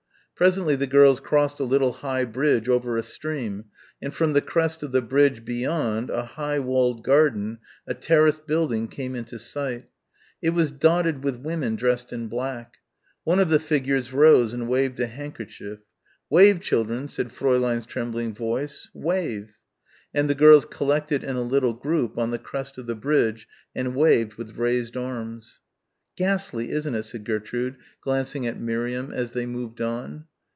Presently the girls crossed a little high bridge over a stream, and from the crest of the bridge beyond a high walled garden a terraced building came into sight. It was dotted with women dressed in black. One of the figures rose and waved a handkerchief. "Wave, children," said Fräulein's trembling voice, "wave" and the girls collected in a little group on the crest of the bridge and waved with raised arms. "Ghastly, isn't it?" said Gertrude, glancing at Miriam as they moved on.